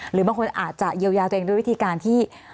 หรือบางคนอาจจะเยียวยาตัวเองด้วยวิธีการที่